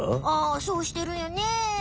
ああそうしてるよね。